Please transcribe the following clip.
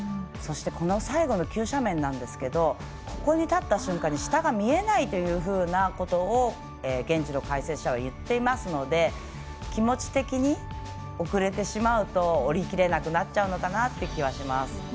そして、最後の急斜面ですけどここに立った瞬間に下が見えないというようなことを現地の解説者は言っていますので、気持ち的に遅れてしまうと下りきれなくなっちゃうのかなって気がします。